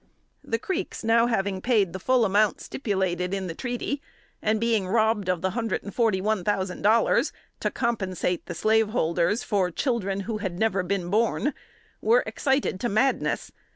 The Creeks now having paid the full amount stipulated in the treaty, and being robbed of the $141,000, to compensate the slaveholders for children who had never been born, were excited to madness.